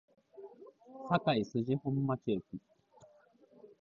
堺筋本町駅